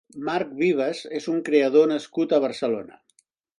Marc Vives és un creador nascut a Barcelona.